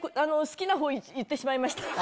好きなほう言ってしまいました